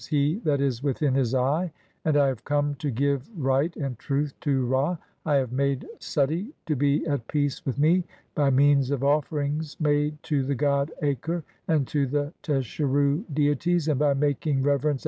'he that is within his eye'), "and I have come to give (2) right and truth to Ra ; I have "made Sutito be at peace with me by means of offerings made "to the god Aker and to the Tesheru deities, and by [making] "reverence unto Seb."